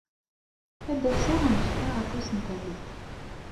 Ad d-asaɣ ad m-d-fkeɣ afus n tallelt.